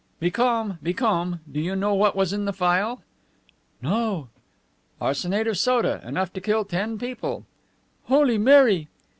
"Be calm. Be calm. Do you know what was in the phial?" "No." "Arsenate of soda, enough to kill ten people." "Holy Mary!"